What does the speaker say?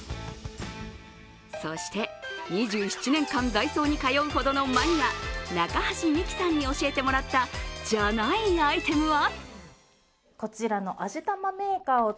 そして２７年間ダイソーに通うほどのマニア中橋美輝さんに教えてもらったじゃないアイテムは？